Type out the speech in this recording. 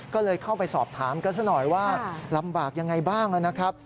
ก็เลยเข้าไปสอบถามกันซะหน่อยว่าลำบากยังไงบ้างนะครับ